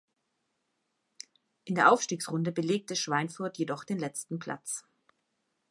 In der Aufstiegsrunde belegte Schweinfurt jedoch den letzten Platz.